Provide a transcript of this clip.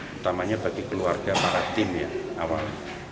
utamanya bagi keluarga para tim ya awalnya